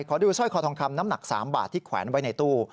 ขอดูสร้อยคอทองคำน้ำหนัก๓บาทที่แขวนไว้ในตู้